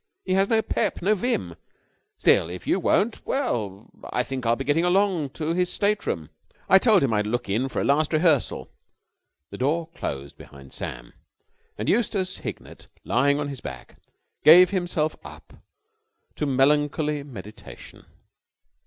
He has no pep, no vim. Still, if you won't ... well, I think I'll be getting along to his stateroom. I told him I would look in for a last rehearsal." The door closed behind Sam, and Eustace Hignett, lying on his back, gave himself up to melancholy meditation.